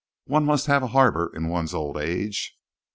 One must have a harbour in one's old age."